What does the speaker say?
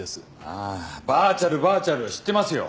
あぁバーチャルバーチャル知ってますよ。